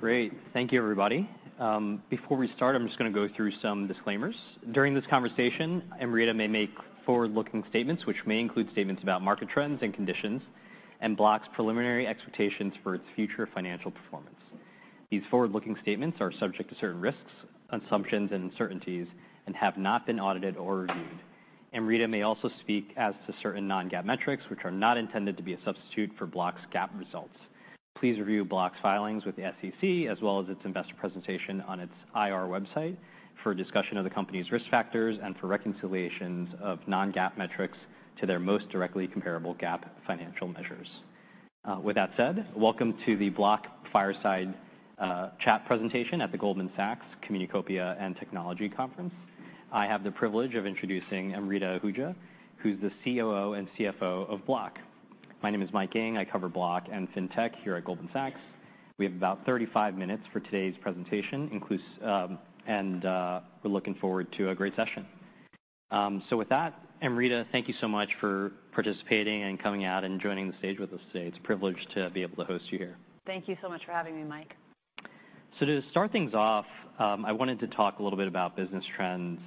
Great. Thank you, everybody. Before we start, I'm just gonna go through some disclaimers. During this conversation, Amrita may make forward-looking statements, which may include statements about market trends and conditions and Block's preliminary expectations for its future financial performance. These forward-looking statements are subject to certain risks, assumptions, and uncertainties and have not been audited or reviewed. Amrita may also speak as to certain non-GAAP metrics, which are not intended to be a substitute for Block's GAAP results. Please review Block's filings with the SEC, as well as its investor presentation on its IR website for a discussion of the company's risk factors and for reconciliations of non-GAAP metrics to their most directly comparable GAAP financial measures. With that said, welcome to the Block Fireside Chat Presentation at the Goldman Sachs Communacopia and Technology Conference. I have the privilege of introducing Amrita Ahuja, who's the COO and CFO of Block. My name is Mike Ng. I cover Block and Fintech here at Goldman Sachs. We have about 35 minutes for today's presentation, and we're looking forward to a great session. So with that, Amrita, thank you so much for participating, and coming out, and joining the stage with us today. It's a privilege to be able to host you here. Thank you so much for having me, Mike. So to start things off, I wanted to talk a little bit about business trends.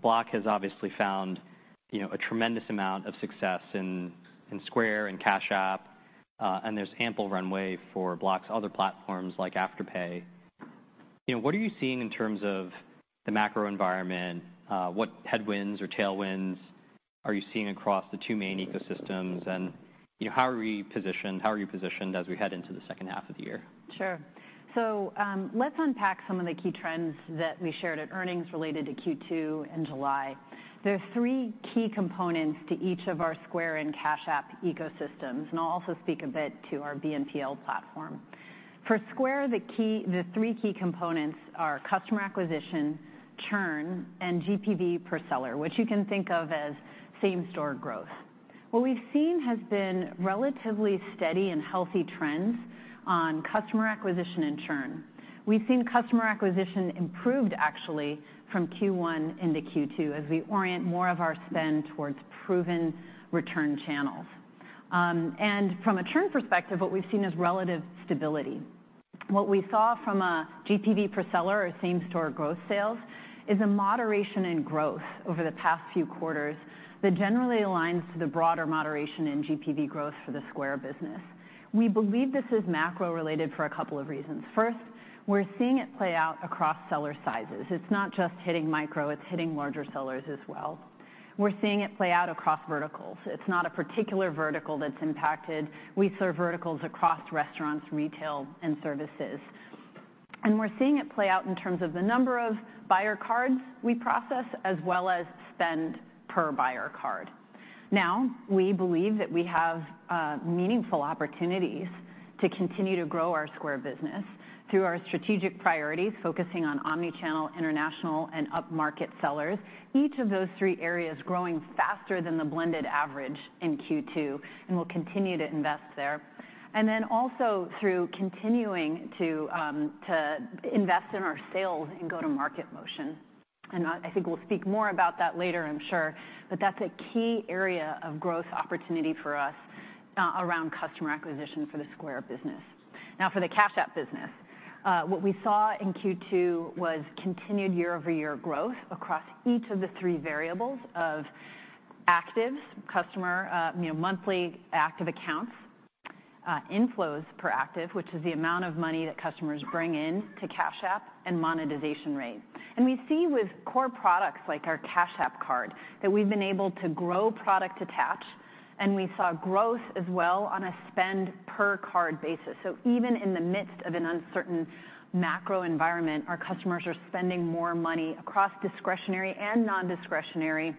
Block has obviously found, you know, a tremendous amount of success in Square and Cash App, and there's ample runway for Block's other platforms like Afterpay. You know, what are you seeing in terms of the macro environment? What headwinds or tailwinds are you seeing across the two main ecosystems? And, you know, how are you positioned as we head into the second half of the year? Sure. So, let's unpack some of the key trends that we shared at earnings related to Q2 in July. There are three key components to each of our Square and Cash App ecosystems, and I'll also speak a bit to our BNPL platform. For Square, the three key components are customer acquisition, churn, and GPV per seller, which you can think of as same-store growth. What we've seen has been relatively steady and healthy trends on customer acquisition and churn. We've seen customer acquisition improved, actually, from Q1 into Q2, as we orient more of our spend towards proven return channels. And from a churn perspective, what we've seen is relative stability. What we saw from a GPV per seller or same-store growth sales is a moderation in growth over the past few quarters that generally aligns to the broader moderation in GPV growth for the Square business. We believe this is macro-related for a couple of reasons. First, we're seeing it play out across seller sizes. It's not just hitting micro; it's hitting larger sellers as well. We're seeing it play out across verticals. It's not a particular vertical that's impacted. We serve verticals across restaurants, retail, and services. And we're seeing it play out in terms of the number of buyer cards we process, as well as spend per buyer card. Now, we believe that we have meaningful opportunities to continue to grow our Square business through our strategic priorities, focusing on omni-channel, international, and upmarket sellers. Each of those three areas growing faster than the blended average in Q2, and we'll continue to invest there. Then also, through continuing to invest in our sales and go-to-market motion, and I think we'll speak more about that later, I'm sure. That's a key area of growth opportunity for us, around customer acquisition for the Square business. Now, for the Cash App business, what we saw in Q2 was continued year-over-year growth across each of the three variables of actives, customer, you know, monthly active accounts, inflows per active, which is the amount of money that customers bring in to Cash App, and monetization rate. We see with core products like our Cash App Card, that we've been able to grow product attach, and we saw growth as well on a spend-per-card basis. So even in the midst of an uncertain macro environment, our customers are spending more money across discretionary and non-discretionary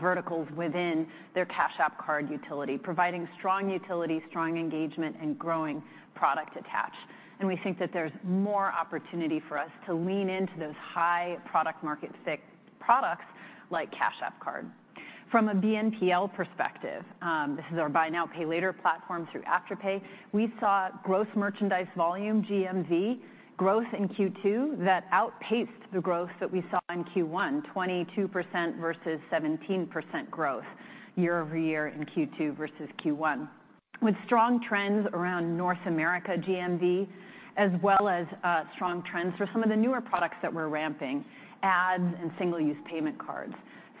verticals within their Cash App Card utility, providing strong utility, strong engagement, and growing product attach. And we think that there's more opportunity for us to lean into those high product market fit products, like Cash App Card. From a BNPL perspective, this is our buy now, pay later platform through Afterpay, we saw gross merchandise volume, GMV, growth in Q2 that outpaced the growth that we saw in Q1, 22% versus 17% growth year-over-year in Q2 versus Q1, with strong trends around North America GMV, as well as strong trends for some of the newer products that we're ramping, ads and single-use payment cards.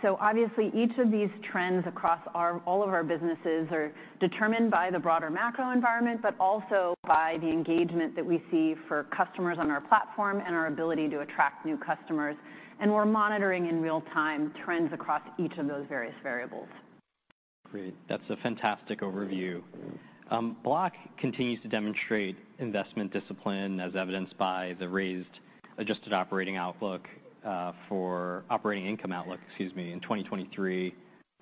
So obviously, each of these trends across all of our businesses are determined by the broader macro environment, but also by the engagement that we see for customers on our platform and our ability to attract new customers, and we're monitoring in real time trends across each of those various variables. Great. That's a fantastic overview. Block continues to demonstrate investment discipline, as evidenced by the raised adjusted operating outlook for operating income outlook, excuse me, in 2023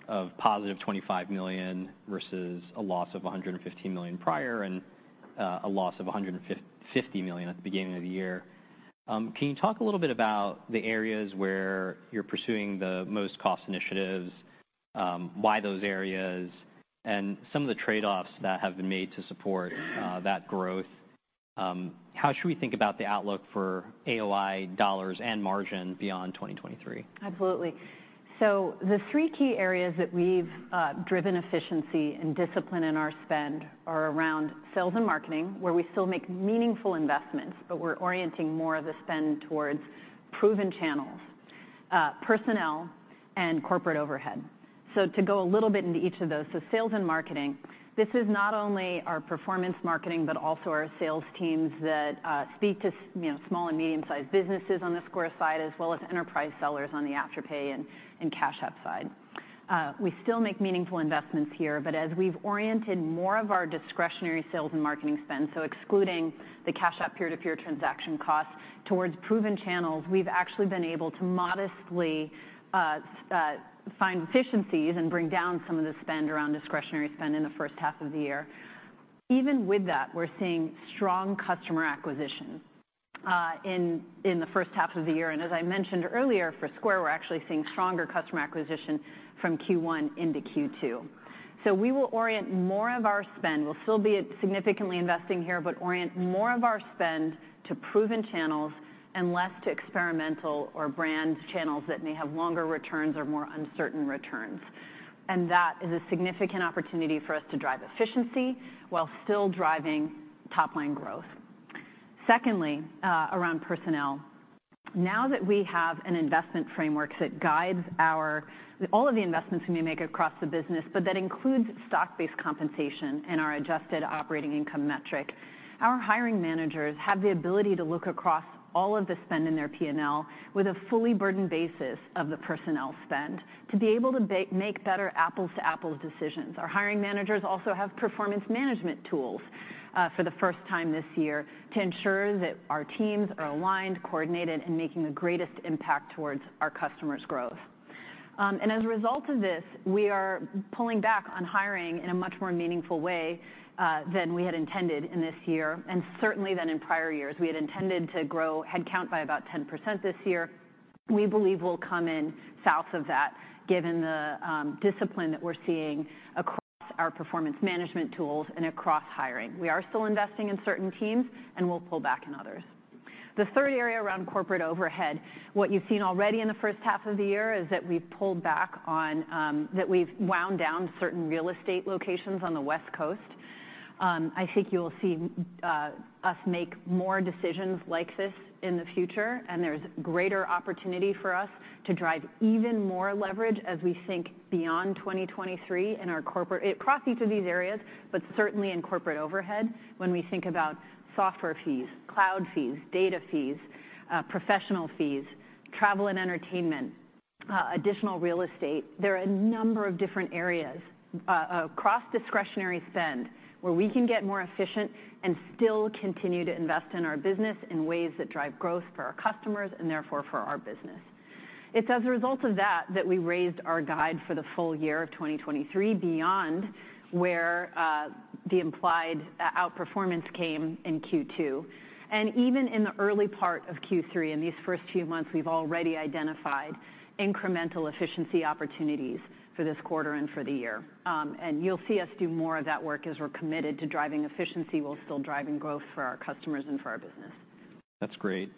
of positive $25 million, versus a loss of $115 million prior, and a loss of $50 million at the beginning of the year. Can you talk a little bit about the areas where you're pursuing the most cost initiatives, why those areas, and some of the trade-offs that have been made to support that growth? How should we think about the outlook for AOI dollars and margin beyond 2023? Absolutely. So the three key areas that we've driven efficiency and discipline in our spend are around sales and marketing, where we still make meaningful investments, but we're orienting more of the spend towards proven channels, personnel and corporate overhead. So to go a little bit into each of those, so sales and marketing, this is not only our performance marketing, but also our sales teams that speak to you know, small and medium-sized businesses on the Square side, as well as enterprise sellers on the Afterpay and, and Cash App side. We still make meaningful investments here, but as we've oriented more of our discretionary sales and marketing spend, so excluding the Cash App peer-to-peer transaction costs, towards proven channels, we've actually been able to modestly find efficiencies and bring down some of the spend around discretionary spend in the first half of the year. Even with that, we're seeing strong customer acquisition in, in the first half of the year, and as I mentioned earlier, for Square, we're actually seeing stronger customer acquisition from Q1 into Q2. So we will orient more of our spend. We'll still be significantly investing here, but orient more of our spend to proven channels and less to experimental or brand channels that may have longer returns or more uncertain returns, and that is a significant opportunity for us to drive efficiency while still driving top-line growth. Secondly, around personnel, now that we have an investment framework that guides all of the investments that we make across the business, but that includes stock-based compensation and our adjusted operating income metric, our hiring managers have the ability to look across all of the spend in their P&L with a fully burdened basis of the personnel spend, to be able to make better apples-to-apples decisions. Our hiring managers also have performance management tools, for the first time this year, to ensure that our teams are aligned, coordinated, and making the greatest impact towards our customers' growth. And as a result of this, we are pulling back on hiring in a much more meaningful way, than we had intended in this year, and certainly than in prior years. We had intended to grow headcount by about 10% this year. We believe we'll come in south of that, given the discipline that we're seeing across our performance management tools and across hiring. We are still investing in certain teams, and we'll pull back in others. The third area around corporate overhead, what you've seen already in the first half of the year, is that we've pulled back on that we've wound down certain real estate locations on the West Coast. I think you'll see us make more decisions like this in the future, and there's greater opportunity for us to drive even more leverage as we think beyond 2023 in our corporate—across each of these areas, but certainly in corporate overhead, when we think about software fees, cloud fees, data fees, professional fees, travel and entertainment, additional real estate. There are a number of different areas across discretionary spend, where we can get more efficient and still continue to invest in our business in ways that drive growth for our customers and therefore for our business. It's as a result of that, that we raised our guide for the full year of 2023, beyond where the implied outperformance came in Q2. And even in the early part of Q3, in these first few months, we've already identified incremental efficiency opportunities for this quarter and for the year. And you'll see us do more of that work as we're committed to driving efficiency while still driving growth for our customers and for our business. That's great.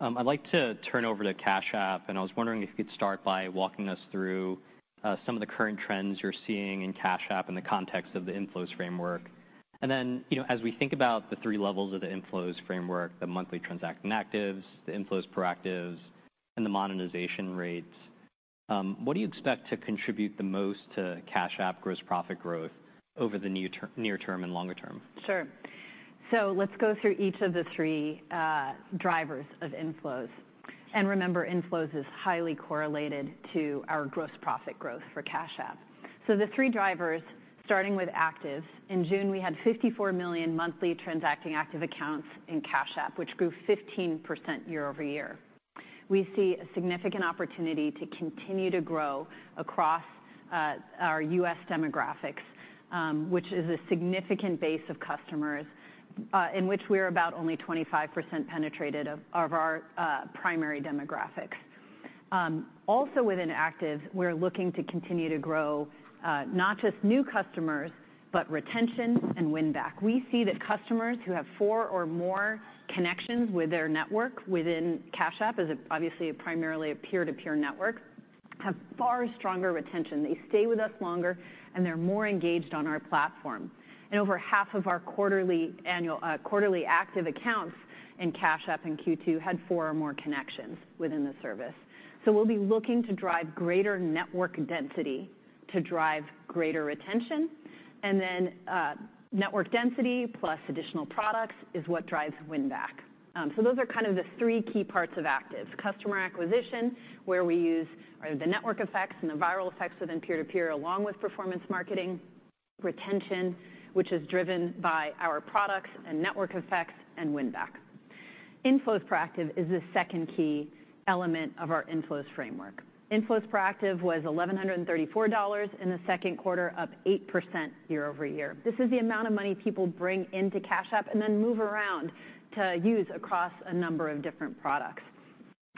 I'd like to turn over to Cash App, and I was wondering if you could start by walking us through some of the current trends you're seeing in Cash App in the context of the inflows framework. And then, you know, as we think about the three levels of the inflows framework, the monthly transacting actives, the inflows per actives, and the monetization rates, what do you expect to contribute the most to Cash App gross profit growth over the near term and longer term? Sure. So let's go through each of the three drivers of inflows. Remember, inflows is highly correlated to our gross profit growth for Cash App. So the three drivers, starting with actives, in June, we had 54 million monthly transacting active accounts in Cash App, which grew 15% year-over-year. We see a significant opportunity to continue to grow across our U.S. demographics, which is a significant base of customers, in which we're about only 25% penetrated of our primary demographics. Also within actives, we're looking to continue to grow not just new customers, but retention and win back. We see that customers who have four or more connections with their network within Cash App, as it obviously primarily a peer-to-peer network, have far stronger retention. They stay with us longer, and they're more engaged on our platform. Over half of our quarterly active accounts in Cash App in Q2 had four or more connections within the service. So we'll be looking to drive greater network density to drive greater retention, and then network density plus additional products is what drives win back. So those are kind of the three key parts of actives: customer acquisition, where we use the network effects and the viral effects within peer-to-peer, along with performance marketing, retention, which is driven by our products and network effects, and win back. Inflows proactive is the second key element of our inflows framework. Inflows proactive was $1,134 in the second quarter, up 8% year-over-year. This is the amount of money people bring into Cash App and then move around to use across a number of different products.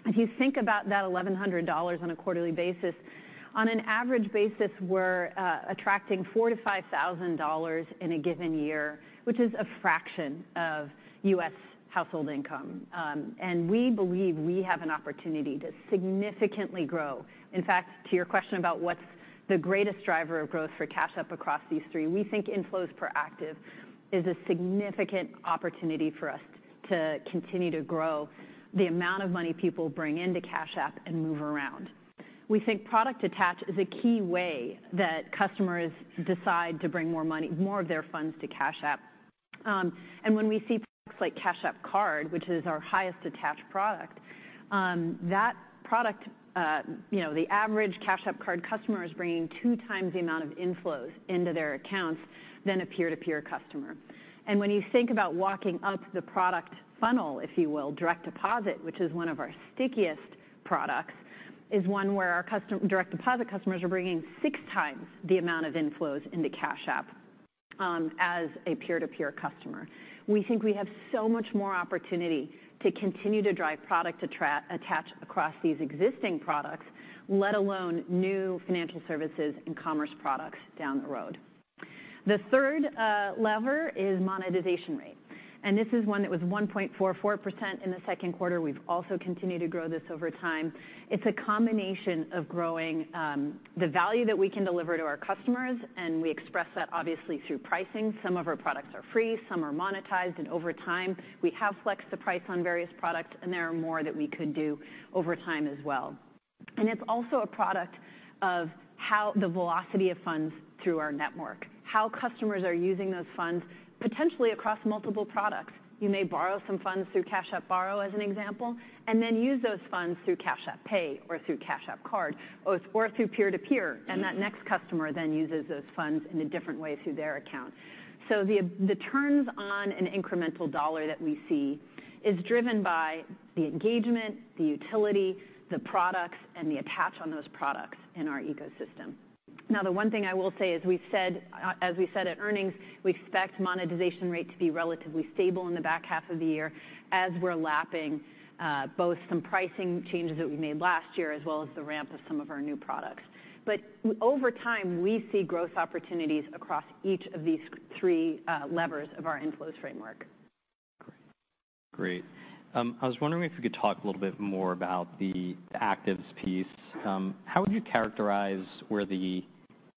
If you think about that $1,100 on a quarterly basis, on an average basis, we're attracting $4,000-$5,000 in a given year, which is a fraction of U.S. household income. We believe we have an opportunity to significantly grow. In fact, to your question about what's the greatest driver of growth for Cash App across these three. We think inflows per active is a significant opportunity for us to continue to grow the amount of money people bring into Cash App and move around. We think product attach is a key way that customers decide to bring more money, more of their funds to Cash App. And when we see like Cash App Card, which is our highest attached product, that product, you know, the average Cash App Card customer is bringing 2 times the amount of inflows into their accounts than a peer-to-peer customer. And when you think about walking up the product funnel, if you will, direct deposit, which is one of our stickiest products, is one where our direct deposit customers are bringing 6 times the amount of inflows into Cash App, as a peer-to-peer customer. We think we have so much more opportunity to continue to drive product attach across these existing products, let alone new financial services and commerce products down the road. The third lever is monetization rate, and this is one that was 1.44% in the second quarter. We've also continued to grow this over time. It's a combination of growing the value that we can deliver to our customers, and we express that obviously through pricing. Some of our products are free, some are monetized, and over time, we have flexed the price on various products, and there are more that we could do over time as well. It's also a product of how the velocity of funds through our network, how customers are using those funds, potentially across multiple products. You may borrow some funds through Cash App Borrow, as an example, and then use those funds through Cash App Pay or through Cash App Card or through peer-to-peer, and that next customer then uses those funds in a different way through their account. So the turns on an incremental dollar that we see is driven by the engagement, the utility, the products, and the attach on those products in our ecosystem. Now, the one thing I will say is we've said, as we said at earnings, we expect monetization rate to be relatively stable in the back half of the year as we're lapping, both some pricing changes that we made last year, as well as the ramp of some of our new products. But over time, we see growth opportunities across each of these three, levers of our inflows framework. Great. I was wondering if you could talk a little bit more about the actives piece. How would you characterize where the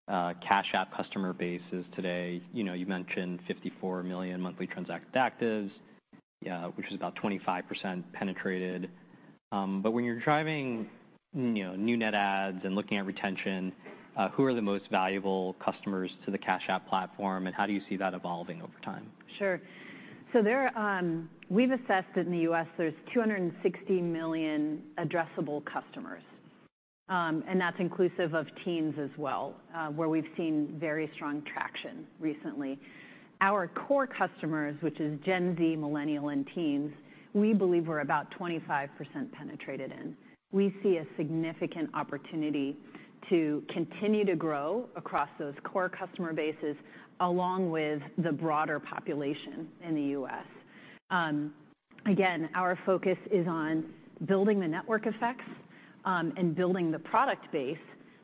Cash App customer base is today? You know, you mentioned 54 million monthly transacted actives, which is about 25% penetrated. But when you're driving, you know, new net adds and looking at retention, who are the most valuable customers to the Cash App platform, and how do you see that evolving over time? Sure. We've assessed that in the U.S., there's 260 million addressable customers, and that's inclusive of teens as well, where we've seen very strong traction recently. Our core customers, which is Gen Z, millennials, and teens, we believe we're about 25% penetrated in. We see a significant opportunity to continue to grow across those core customer bases, along with the broader population in the U.S. Again, our focus is on building the network effects and building the product base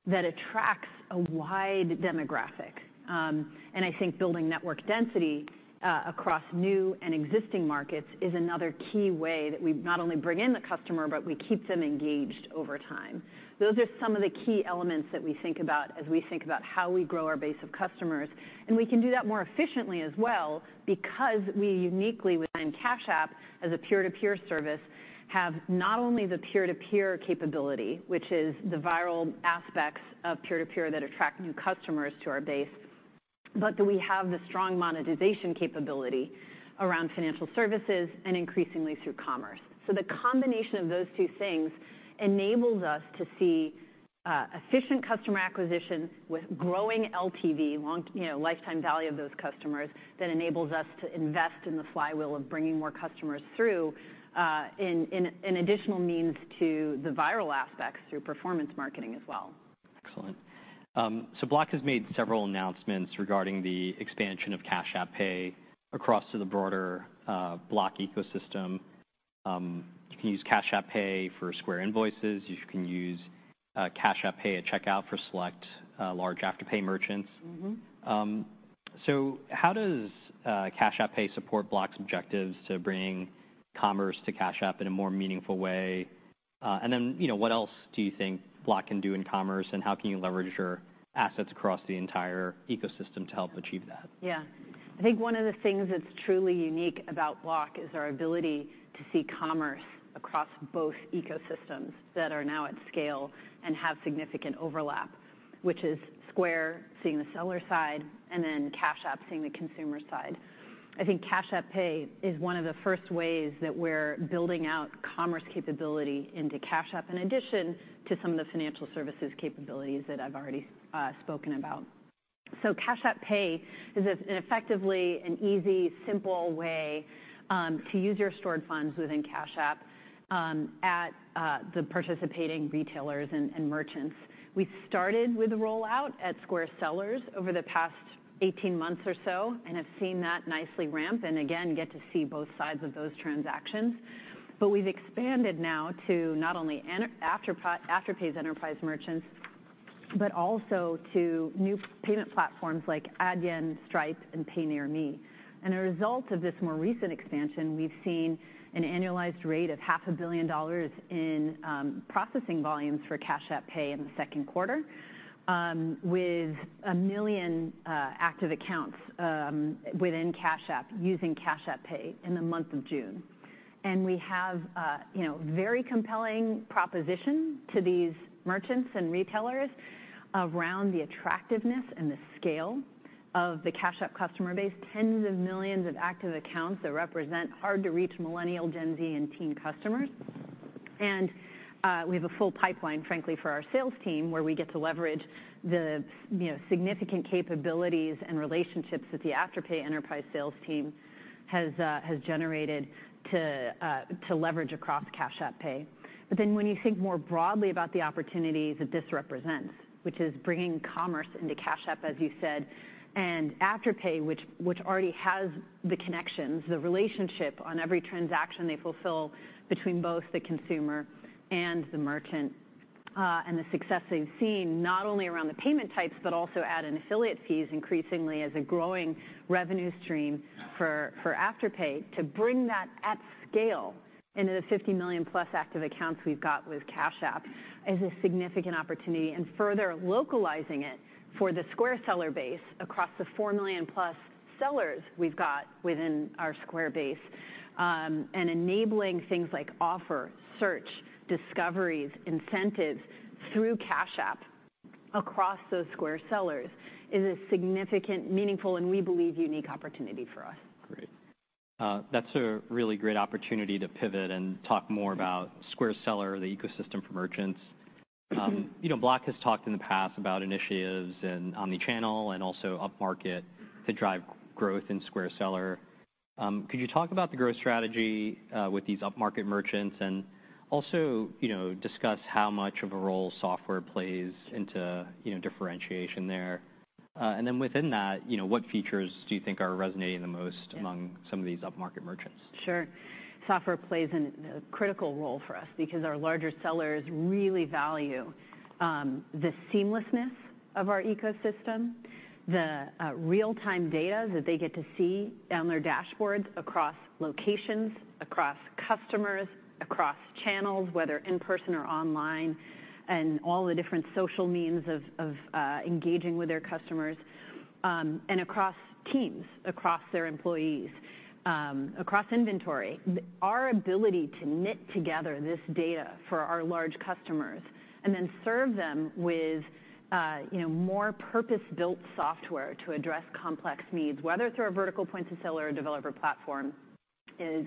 that attracts a wide demographic. And I think building network density across new and existing markets is another key way that we not only bring in the customer, but we keep them engaged over time. Those are some of the key elements that we think about as we think about how we grow our base of customers, and we can do that more efficiently as well, because we uniquely within Cash App, as a peer-to-peer service, have not only the peer-to-peer capability, which is the viral aspects of peer-to-peer that attract new customers to our base, but that we have the strong monetization capability around financial services and increasingly through commerce. So the combination of those two things enables us to see efficient customer acquisition with growing LTV, long, you know, lifetime value of those customers, that enables us to invest in the flywheel of bringing more customers through additional means to the viral aspects through performance marketing as well. Excellent. So Block has made several announcements regarding the expansion of Cash App Pay across to the broader Block ecosystem. You can use Cash App Pay for Square Invoices, you can use Cash App Pay at checkout for select large Afterpay merchants. Mm-hmm. So how does Cash App Pay support Block's objectives to bring commerce to Cash App in a more meaningful way? And then, you know, what else do you think Block can do in commerce, and how can you leverage your assets across the entire ecosystem to help achieve that? Yeah. I think one of the things that's truly unique about Block is our ability to see commerce across both ecosystems that are now at scale and have significant overlap, which is Square, seeing the seller side, and then Cash App, seeing the consumer side. I think Cash App Pay is one of the first ways that we're building out commerce capability into Cash App, in addition to some of the financial services capabilities that I've already spoken about. So Cash App Pay is effectively an easy, simple way to use your stored funds within Cash App at the participating retailers and merchants. We started with the rollout at Square Sellers over the past 18 months or so and have seen that nicely ramp, and again, get to see both sides of those transactions. But we've expanded now to not only Afterpay, Afterpay's enterprise merchants, but also to new payment platforms like Adyen, Stripe, and PayNearMe. As a result of this more recent expansion, we've seen an annualized rate of $500 million in processing volumes for Cash App Pay in the second quarter, with 1 million active accounts within Cash App using Cash App Pay in the month of June. And we have a very compelling proposition to these merchants and retailers around the attractiveness and the scale of the Cash App customer base, tens of millions of active accounts that represent hard-to-reach millennial, Gen Z, and teen customers. And, we have a full pipeline, frankly, for our sales team, where we get to leverage the, you know, significant capabilities and relationships that the Afterpay enterprise sales team has, has generated to, to leverage across Cash App Pay. But then when you think more broadly about the opportunity that this represents, which is bringing commerce into Cash App, as you said, and Afterpay, which, which already has the connections, the relationship on every transaction they fulfill between both the consumer and the merchant, and the success that you've seen, not only around the payment types, but also ad and affiliate fees increasingly as a growing revenue stream for, for Afterpay. To bring that at scale into the 50 million+ active accounts we've got with Cash App is a significant opportunity, and further localizing it for the Square Seller base across the 4 million+ sellers we've got within our Square base. And enabling things like offer, search, discoveries, incentives through Cash App across those Square sellers is a significant, meaningful, and we believe, unique opportunity for us. Great. That's a really great opportunity to pivot and talk more about Square Seller, the ecosystem for merchants. Mm-hmm. You know, Block has talked in the past about initiatives and omni-channel, and also upmarket to drive growth in Square Seller. Could you talk about the growth strategy with these upmarket merchants? And also, you know, discuss how much of a role software plays into, you know, differentiation there. And then within that, you know, what features do you think are resonating the most- Yeah... among some of these upmarket merchants? Sure. Software plays a critical role for us because our larger sellers really value the seamlessness of our ecosystem, the real-time data that they get to see on their dashboards across locations, across customers, across channels, whether in person or online, and all the different social means of engaging with their customers, and across teams, across their employees, across inventory. Our ability to knit together this data for our large customers and then serve them with you know, more purpose-built software to address complex needs, whether through a vertical point of seller or developer platform, is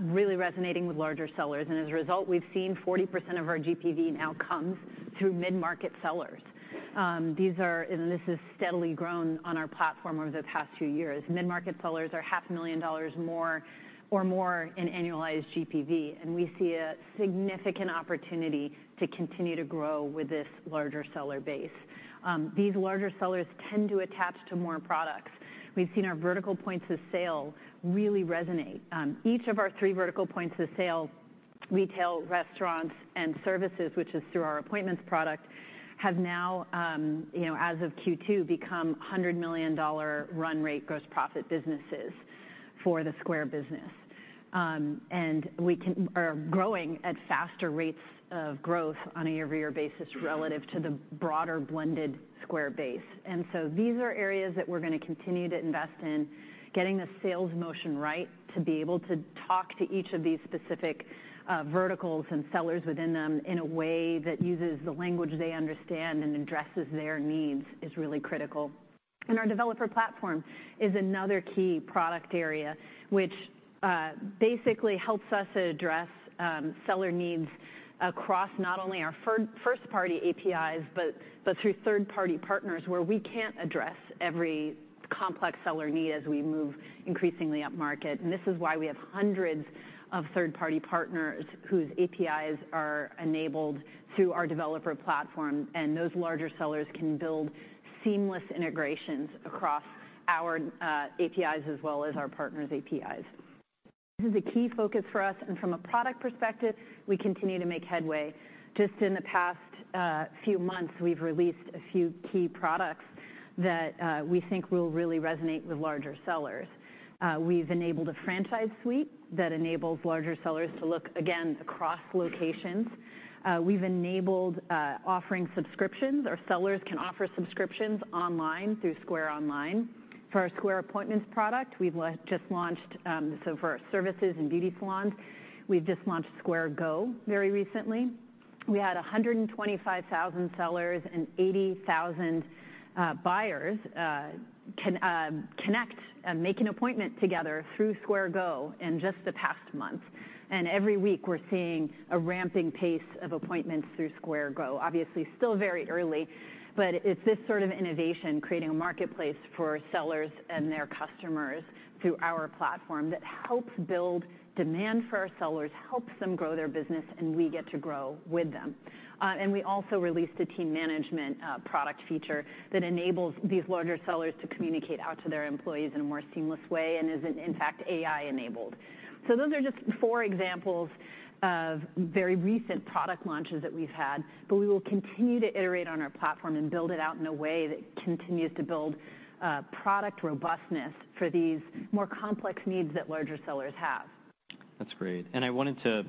really resonating with larger sellers. And as a result, we've seen 40% of our GPV now comes through mid-market sellers, and this has steadily grown on our platform over the past two years. Mid-market sellers are $500,000 more or more in annualized GPV, and we see a significant opportunity to continue to grow with this larger seller base. These larger sellers tend to attach to more products. We've seen our vertical points of sale really resonate. Each of our three vertical points of sale: retail, restaurants, and services, which is through our appointments product, have now, you know, as of Q2, become $100 million run rate gross profit businesses for the Square business. And we are growing at faster rates of growth on a year-over-year basis relative to the broader blended Square base. And so these are areas that we're going to continue to invest in. Getting the sales motion right to be able to talk to each of these specific verticals and sellers within them in a way that uses the language they understand and addresses their needs is really critical. Our developer platform is another key product area, which basically helps us address seller needs across not only our first-party APIs, but through third-party partners, where we can't address every complex seller need as we move increasingly upmarket. This is why we have hundreds of third-party partners whose APIs are enabled through our developer platform, and those larger sellers can build seamless integrations across our APIs, as well as our partners' APIs. This is a key focus for us, and from a product perspective, we continue to make headway. Just in the past few months, we've released a few key products that we think will really resonate with larger sellers. We've enabled a franchise suite that enables larger sellers to look again, across locations. We've enabled offering subscriptions. Our sellers can offer subscriptions online through Square Online. For our Square Appointments product, we've just launched, so for our services and beauty salons, we've just launched Square Go very recently. We had 125,000 sellers and 80,000 buyers connect, make an appointment together through Square Go in just the past month. And every week, we're seeing a ramping pace of appointments through Square Go. Obviously, still very early, but it's this sort of innovation, creating a marketplace for sellers and their customers through our platform, that helps build demand for our sellers, helps them grow their business, and we get to grow with them. And we also released a team management product feature that enables these larger sellers to communicate out to their employees in a more seamless way, and is, in fact, AI-enabled. So those are just four examples of very recent product launches that we've had, but we will continue to iterate on our platform and build it out in a way that continues to build product robustness for these more complex needs that larger sellers have.... That's great, and I wanted to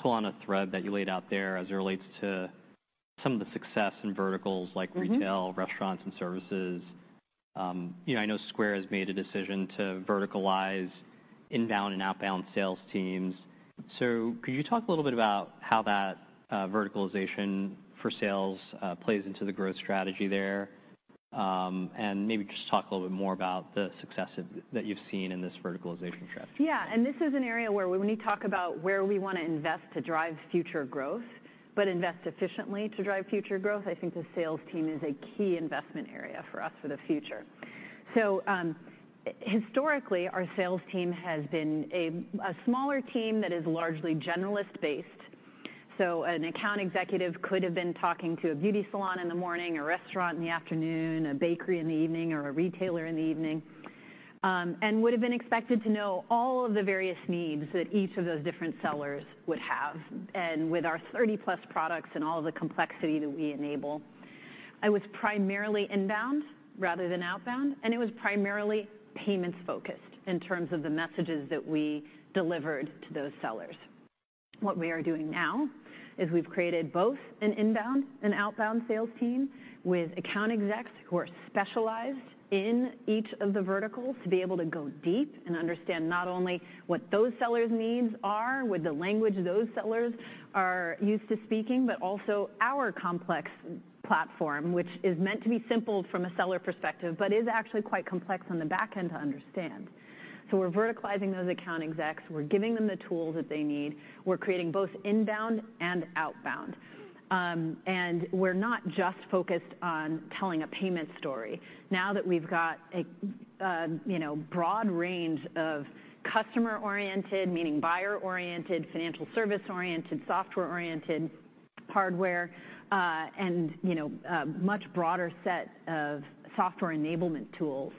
pull on a thread that you laid out there as it relates to some of the success in verticals like- Mm-hmm retail, restaurants, and services. You know, I know Square has made a decision to verticalize inbound and outbound sales teams. So could you talk a little bit about how that verticalization for sales plays into the growth strategy there? And maybe just talk a little bit more about the success that you've seen in this verticalization strategy. Yeah, and this is an area where when we talk about where we wanna invest to drive future growth, but invest efficiently to drive future growth, I think the sales team is a key investment area for us for the future. So, historically, our sales team has been a smaller team that is largely generalist-based. So an account executive could have been talking to a beauty salon in the morning, a restaurant in the afternoon, a bakery in the evening, or a retailer in the evening, and would've been expected to know all of the various needs that each of those different sellers would have, and with our 30+ products and all the complexity that we enable. It was primarily inbound rather than outbound, and it was primarily payments-focused in terms of the messages that we delivered to those sellers. What we are doing now is we've created both an inbound and outbound sales team, with account execs who are specialized in each of the verticals, to be able to go deep and understand not only what those sellers' needs are, with the language those sellers are used to speaking, but also our complex platform, which is meant to be simple from a seller perspective, but is actually quite complex on the back end to understand. So we're verticalizing those account execs. We're giving them the tools that they need. We're creating both inbound and outbound. And we're not just focused on telling a payment story. Now that we've got a, you know, broad range of customer-oriented, meaning buyer-oriented, financial service-oriented, software-oriented, hardware, and, you know, a much broader set of software enablement tools,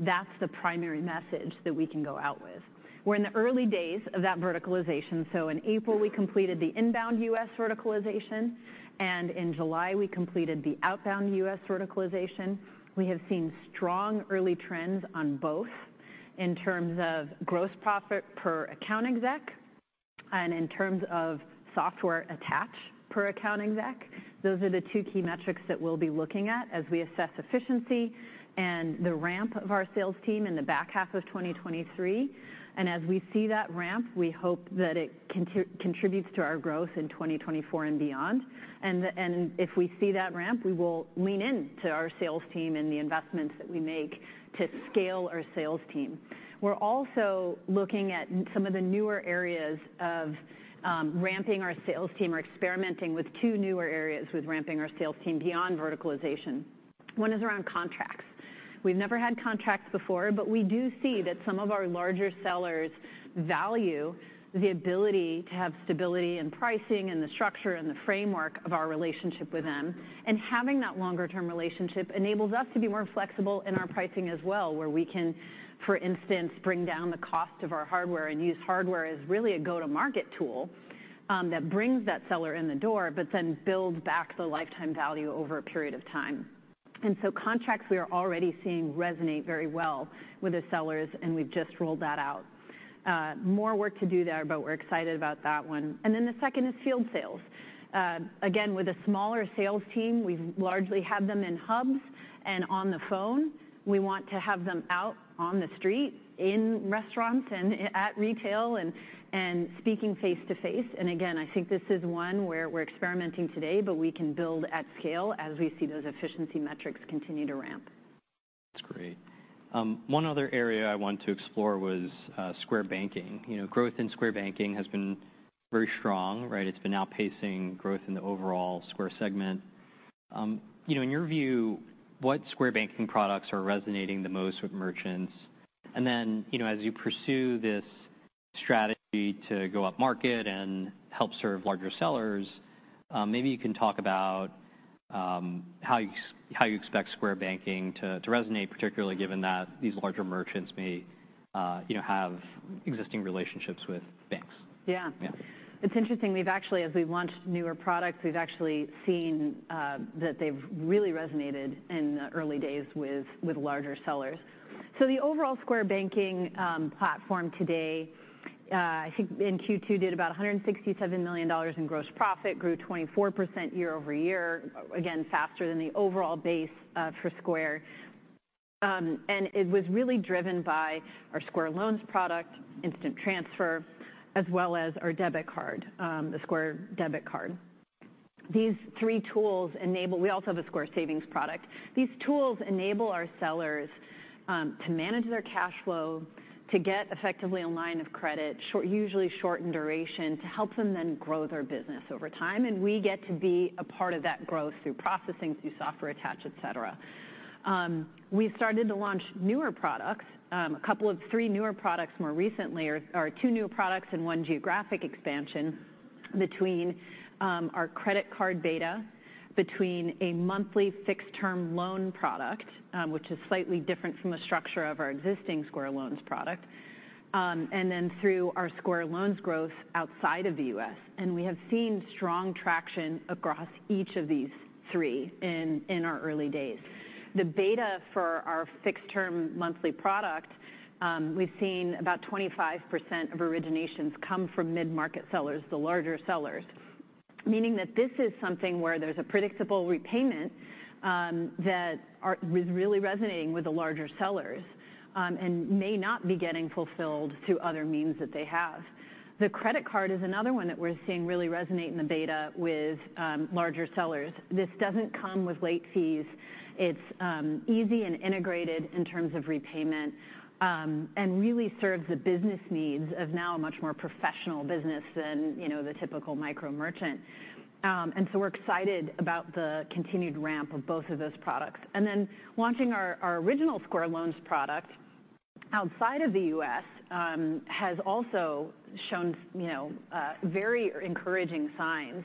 that's the primary message that we can go out with. We're in the early days of that verticalization, so in April, we completed the inbound U.S. verticalization, and in July, we completed the outbound U.S. verticalization. We have seen strong early trends on both in terms of gross profit per account exec and in terms of software attach per account exec. Those are the two key metrics that we'll be looking at as we assess efficiency and the ramp of our sales team in the back half of 2023. And as we see that ramp, we hope that it contributes to our growth in 2024 and beyond. And if we see that ramp, we will lean in to our sales team and the investments that we make to scale our sales team. We're also looking at some of the newer areas of ramping our sales team or experimenting with two newer areas with ramping our sales team beyond verticalization. One is around contracts. We've never had contracts before, but we do see that some of our larger sellers value the ability to have stability in pricing, and the structure, and the framework of our relationship with them. And having that longer-term relationship enables us to be more flexible in our pricing as well, where we can, for instance, bring down the cost of our hardware and use hardware as really a go-to-market tool that brings that seller in the door but then builds back the lifetime value over a period of time. And so contracts, we are already seeing resonate very well with the sellers, and we've just rolled that out. More work to do there, but we're excited about that one. And then the second is field sales. Again, with a smaller sales team, we've largely had them in hubs and on the phone. We want to have them out on the street, in restaurants, and at retail and, and speaking face-to-face. And again, I think this is one where we're experimenting today, but we can build at scale as we see those efficiency metrics continue to ramp. That's great. One other area I wanted to explore was Square Banking. You know, growth in Square Banking has been very strong, right? It's been outpacing growth in the overall Square segment. You know, in your view, what Square Banking products are resonating the most with merchants? And then, you know, as you pursue this strategy to go upmarket and help serve larger sellers, maybe you can talk about how you expect Square Banking to resonate, particularly given that these larger merchants may, you know, have existing relationships with banks. Yeah. Yeah. It's interesting. We've actually—as we've launched newer products, we've actually seen that they've really resonated in the early days with larger sellers. So the overall Square Banking platform today, I think in Q2, did about $167 million in gross profit, grew 24% year-over-year. Again, faster than the overall base for Square. And it was really driven by our Square Loans product, Instant Transfer, as well as our debit card, the Square Debit Card. These three tools enable... We also have a Square Savings product. These tools enable our sellers to manage their cash flow, to get effectively a line of credit, short, usually short in duration, to help them then grow their business over time, and we get to be a part of that growth through processing, through software attach, et cetera. We've started to launch newer products. A couple of three newer products more recently or two newer products and one geographic expansion between our credit card beta, between a monthly fixed-term loan product, which is slightly different from the structure of our existing Square Loans product, and then through our Square Loans growth outside of the U.S. We have seen strong traction across each of these three in our early days. The beta for our fixed-term monthly product, we've seen about 25% of originations come from mid-market sellers, the larger sellers. Meaning that this is something where there's a predictable repayment that is really resonating with the larger sellers and may not be getting fulfilled through other means that they have. The credit card is another one that we're seeing really resonate in the beta with larger sellers. This doesn't come with late fees. It's easy and integrated in terms of repayment, and really serves the business needs of now a much more professional business than, you know, the typical micro merchant. And so we're excited about the continued ramp of both of those products. And then launching our original Square Loans product outside of the U.S. has also shown very encouraging signs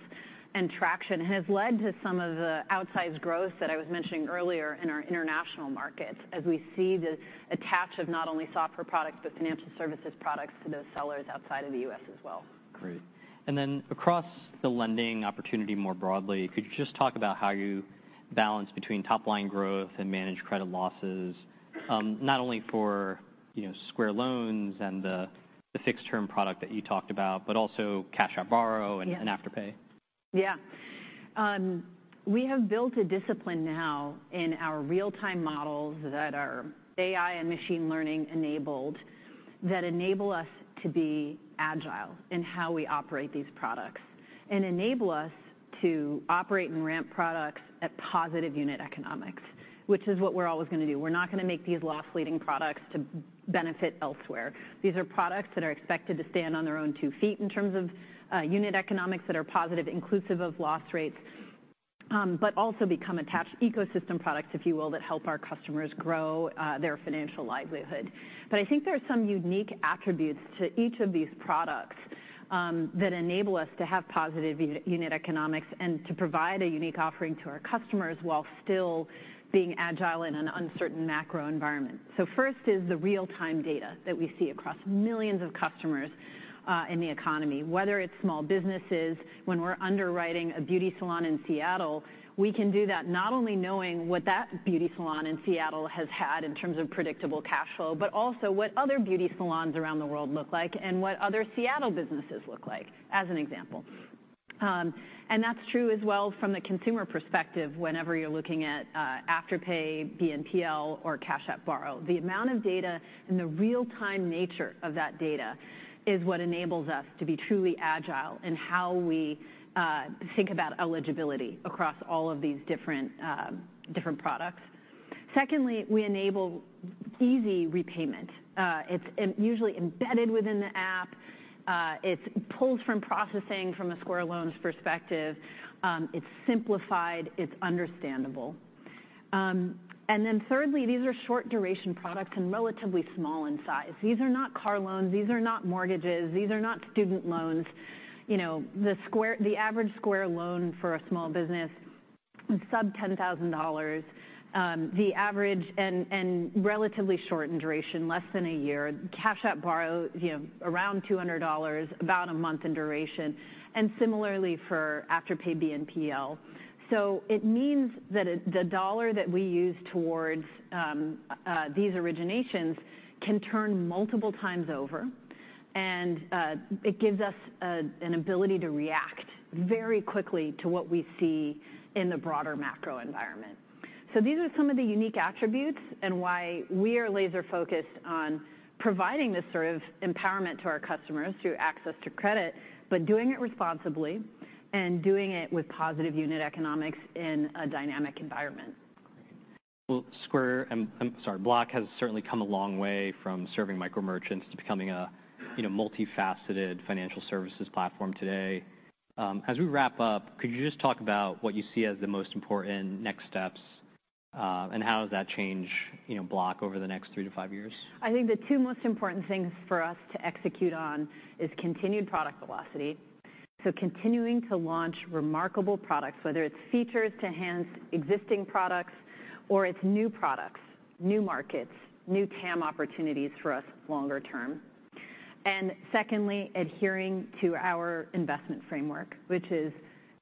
and traction, and has led to some of the outsized growth that I was mentioning earlier in our international markets, as we see the attach of not only software products, but financial services products to those sellers outside of the U.S. as well. Great. And then across the lending opportunity more broadly, could you just talk about how you balance between top line growth and manage credit losses, not only for, you know, Square Loans and the, the fixed-term product that you talked about, but also Cash App Borrow? Yeah... and Afterpay? Yeah. We have built a discipline now in our real-time models that are AI and machine learning enabled, that enable us to be agile in how we operate these products, and enable us to operate and ramp products at positive unit economics, which is what we're always gonna do. We're not gonna make these loss-leading products to benefit elsewhere. These are products that are expected to stand on their own two feet in terms of unit economics that are positive, inclusive of loss rates, but also become attached ecosystem products, if you will, that help our customers grow their financial livelihood. But I think there are some unique attributes to each of these products that enable us to have positive unit economics and to provide a unique offering to our customers while still being agile in an uncertain macro environment. So first is the real-time data that we see across millions of customers in the economy. Whether it's small businesses, when we're underwriting a beauty salon in Seattle, we can do that not only knowing what that beauty salon in Seattle has had in terms of predictable cash flow, but also what other beauty salons around the world look like, and what other Seattle businesses look like, as an example. And that's true as well from the consumer perspective whenever you're looking at Afterpay, BNPL or Cash App Borrow. The amount of data and the real-time nature of that data is what enables us to be truly agile in how we think about eligibility across all of these different different products. Secondly, we enable easy repayment. It's usually embedded within the app. It's pulled from processing from a Square Loans perspective. It's simplified, it's understandable. And then thirdly, these are short-duration products and relatively small in size. These are not car loans. These are not mortgages. These are not student loans. You know, the Square, the average Square Loan for a small business, sub $10,000. The average and relatively short in duration, less than a year. Cash App Borrow, you know, around $200, about a month in duration, and similarly for Afterpay BNPL. So it means that it, the dollar that we use towards these originations can turn multiple times over, and it gives us an ability to react very quickly to what we see in the broader macro environment. These are some of the unique attributes, and why we are laser focused on providing this sort of empowerment to our customers through access to credit, but doing it responsibly, and doing it with positive unit economics in a dynamic environment. Well, Square, I'm sorry, Block has certainly come a long way from serving micro merchants to becoming a, you know, multifaceted financial services platform today. As we wrap up, could you just talk about what you see as the most important next steps, and how does that change, you know, Block over the next three to five years? I think the two most important things for us to execute on is continued product velocity, so continuing to launch remarkable products, whether it's features to enhance existing products or it's new products, new markets, new TAM opportunities for us longer term. And secondly, adhering to our investment framework, which is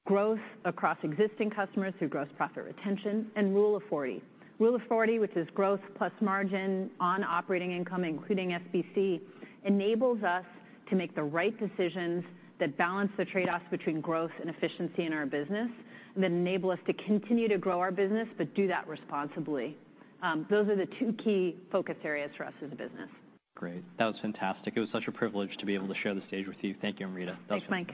growth across existing customers through gross profit retention and Rule of 40. Rule of 40, which is growth plus margin on operating income, including SBC, enables us to make the right decisions that balance the trade-offs between growth and efficiency in our business, and that enable us to continue to grow our business, but do that responsibly. Those are the two key focus areas for us as a business. Great. That was fantastic. It was such a privilege to be able to share the stage with you. Thank you, Amrita. Thanks, Mike.